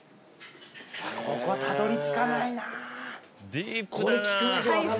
ここはたどり着かないなぁ。